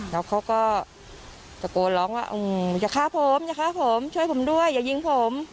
แล้วเขาก็ตะโกนร้องว่าอย่าฆ่าผมอย่าฆ่าผมช่วยผมด้วยอย่ายิงผม